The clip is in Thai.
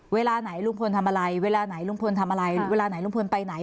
เวลาไหนลุงพลทำอะไรเวลาไหนลุงพลไปไหน